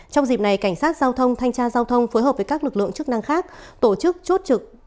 trong dịp này cảnh sát giao thông thanh tra giao thông phối hợp với các lực lượng chức năng khác tổ chức chốt trực